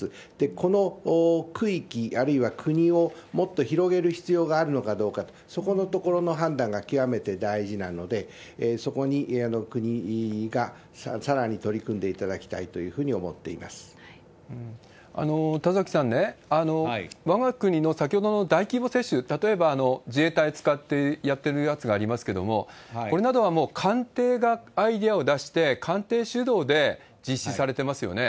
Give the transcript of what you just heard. この区域、あるいは国をもっと広げる必要があるのかどうか、そこのところの判断が極めて大事なので、そこに国がさらに取り組んでいただきたいというふうに思っていま田崎さん、わが国の先ほどの大規模接種、例えば自衛隊使ってやってるやつがありますけれども、これなどはもう官邸がアイデアを出して、官邸主導で実施されてますよね。